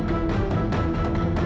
kita harus ke rumah